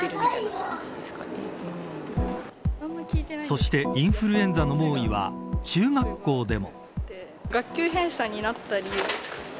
そして、インフルエンザの猛威は中学校でも。